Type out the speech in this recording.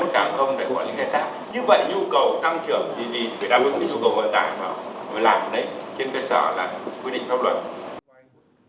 trên cơ sở là quyết định thông luận